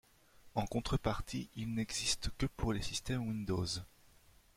En contrepartie, il n'existe que pour les systèmes Windows.